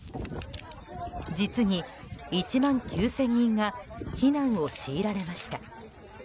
実に１万９０００人が避難を強いられました。